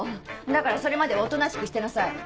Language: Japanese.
だからそれまではおとなしくしてなさい。